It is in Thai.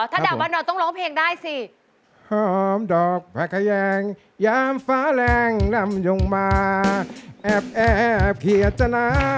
ถ้าดาวบ้านดอนต้องร้องเพลงได้สิ